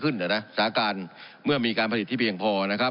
เมื่อมีการผลิตจากภิกษาพื้นภาพที่พี่อย่างงพอนะครับ